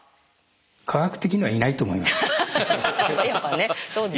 科学的にはいないと思います。